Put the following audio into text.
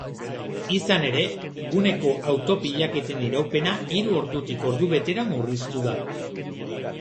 Izan ere, guneko auto-pilaketen iraupena hiru ordutik ordubetera murriztu da.